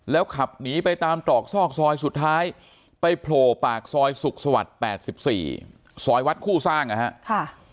ขับหนีไปตามตรอกซอกซอยสุดท้ายไปโผล่ปากซอยสุขสวรรค์๘๔ซอยวัดคู่สร้างนะครับ